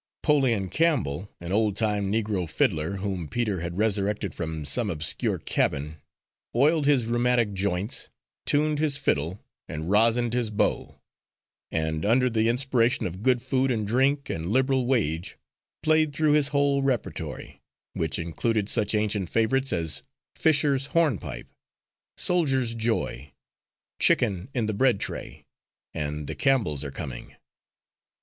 'Poleon Campbell, an old time Negro fiddler, whom Peter had resurrected from some obscure cabin, oiled his rheumatic joints, tuned his fiddle and rosined his bow, and under the inspiration of good food and drink and liberal wage, played through his whole repertory, which included such ancient favourites as, "Fishers' Hornpipe," "Soldiers' Joy," "Chicken in the Bread tray," and the "Campbells are Coming."